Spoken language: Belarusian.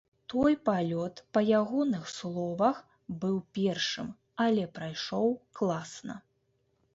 Той палёт, па ягоных словах, быў першым, але прайшоў класна.